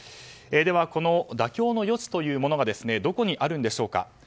では、妥協の余地というものがどこにあるんでしょうか。